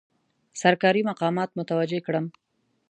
سرکاري مقامات متوجه کړم.